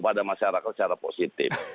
pada masyarakat secara positif